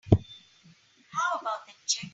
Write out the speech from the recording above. How about that check?